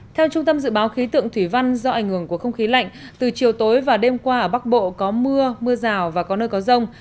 theo trung tâm dự báo khí tượng thủy văn do ảnh hưởng của không khí lạnh từ chiều tối và đêm qua ở bắc bộ có mưa mưa rào và có nơi có rông